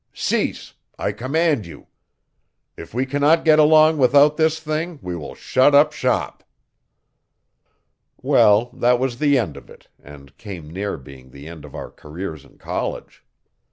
'Cease, I command you. If we cannot get along without this thing we will shut up shop.' Well, that was the end of it and came near being the end of our careers in college.